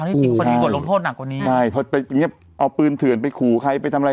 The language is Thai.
อีกคนดีกว่าลมโพธิหนักกว่านี้ใช่เพราะแต่เนี้ยเอาปืนเถื่อนไปขู่ใครไปทำอะไร